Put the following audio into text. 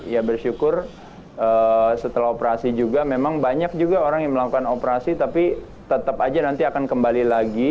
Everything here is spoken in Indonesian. ya bersyukur setelah operasi juga memang banyak juga orang yang melakukan operasi tapi tetap aja nanti akan kembali lagi